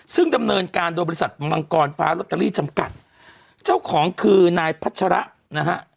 ซึ่งดำเนินการโดยบริษัทมังกรฟ้าลอตเตอรี่จำกัดเจ้าของคือนายพัชระนะฮะ